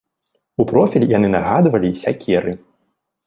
У профіль яны нагадвалі сякеры.